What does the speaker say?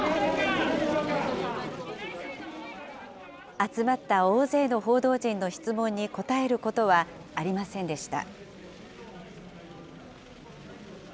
集まった大勢の報道陣の質問に応えることはありませんでした。